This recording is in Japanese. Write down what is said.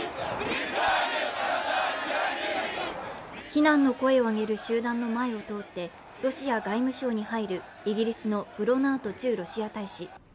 非難の声を上げる集団の前を通って外務省に入るイギリスのブロナート駐ロシア大使。